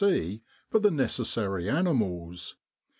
C. for the necessary animals.